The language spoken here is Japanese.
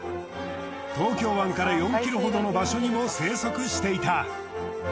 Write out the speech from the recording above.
東京湾から４ｋｍほどの場所にも生息していた。